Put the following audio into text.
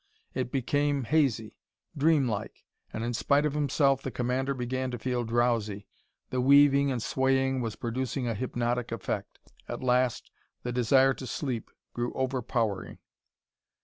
It became hazy, dreamlike, and in spite of himself the commander began to feel drowsy. The weaving and swaying was producing a hypnotic effect. At last the desire to sleep grew overpowering.